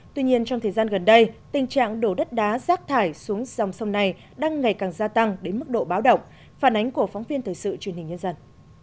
tuy nhiên trong thời gian gần đây tình trạng đổ đất đá rác thải xuống dòng sông này đang ngày càng gia tăng đến mức độ báo động phản ánh của phóng viên thời sự truyền hình nhân dân